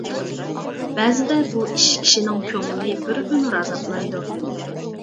بەزىدە بۇ ئىش كىشىنىڭ كۆڭلىنى بىر ئۆمۈر ئازابلايدۇ.